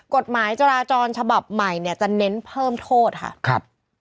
กฎหมายจราจรฉบับใหม่เนี่ยจะเน้นเพิ่มโทษค่ะครับ